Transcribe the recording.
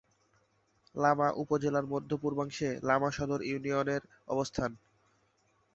লামা উপজেলার মধ্য-পূর্বাংশে লামা সদর ইউনিয়নের অবস্থান।